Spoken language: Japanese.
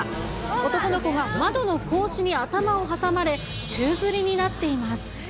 男の子が窓の格子に頭を挟まれ、宙づりになっています。